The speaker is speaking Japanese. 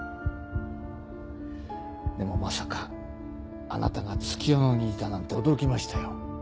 でもまさかあなたが月夜野にいたなんて驚きましたよ。